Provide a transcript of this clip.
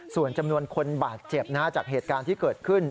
ส่วนจำนวนคนบาดเจ็บจากเหตุการณ์ที่เกิดขึ้น